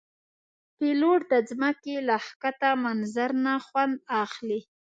پیلوټ د ځمکې له ښکته منظر نه خوند اخلي.